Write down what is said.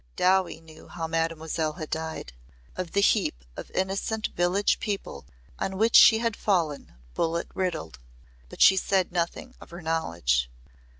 Dowie knew how Mademoiselle had died of the heap of innocent village people on which she had fallen bullet riddled. But she said nothing of her knowledge.